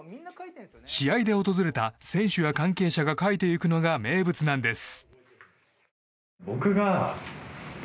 試合で訪れた選手や関係者が書いていくのが名物なんです。